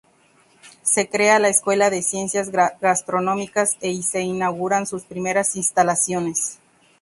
Se crea la Escuela de Ciencias Gastronómicas y se inauguran sus primeras instalaciones.